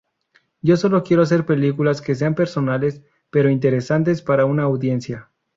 Yo sólo quiero hacer películas que sean personales, pero interesantes para una audiencia.